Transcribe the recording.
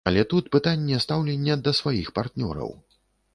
Але тут пытанне стаўлення да сваіх партнёраў.